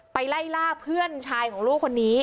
ไล่ล่าเพื่อนชายของลูกคนนี้